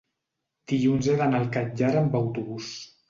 dilluns he d'anar al Catllar amb autobús.